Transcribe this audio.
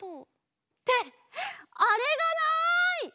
ってあれがない！